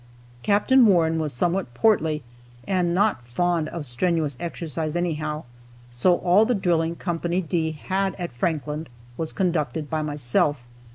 Capt. Warren was somewhat portly, and not fond of strenuous exercise anyhow, so all the drilling Co. D had at Franklin was conducted by myself.